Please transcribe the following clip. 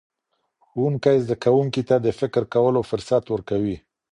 ښوونکی زدهکوونکي ته د فکر کولو فرصت ورکوي.